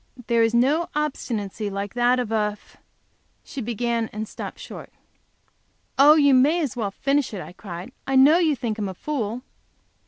"There is no obstinacy like that of a f ," she and stopped short. "Oh, you may as well finish it!" I cried. "I know you think him a fool."